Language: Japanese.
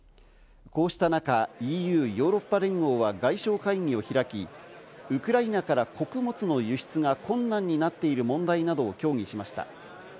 こうした中、ＥＵ＝ヨーロッパ連合は外相会議を開き、ウクライナから穀物の輸出が困難になっている問題などを協議しました。